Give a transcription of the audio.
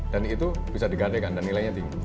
dan itu bisa digadeng dan nilainya tinggi